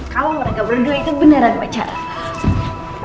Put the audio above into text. kalo mereka berdua itu beneran pacaran